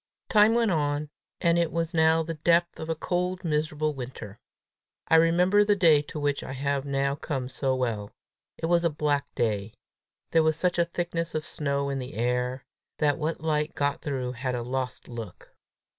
Time went on, and it was now the depth of a cold, miserable winter. I remember the day to which I have now come so well! It was a black day. There was such a thickness of snow in the air, that what light got through had a lost look.